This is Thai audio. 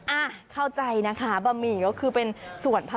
อ่ะเข้าใจนะคะบะหมี่ก็คือเป็นส่วนผ